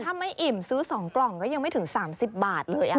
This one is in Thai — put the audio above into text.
ถ้าไม่อิ่มซื้อ๒กล่องก็ยังไม่ถึง๓๐บาทเลย